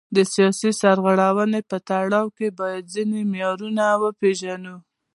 د سیاسي سرغړونې په پړاو کې باید ځینې معیارونه وپیژنو.